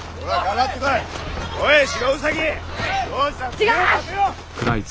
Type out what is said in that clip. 違う！